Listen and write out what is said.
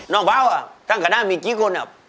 น้องเบ้าทั้งคณะมีกี่คนครับ